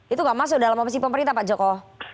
itu gak masuk dalam opsi pemerintah pak joko